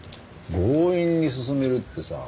強引に進めるってさ